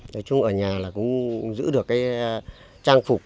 nói chung ở nhà là cũng giữ được cái trang phục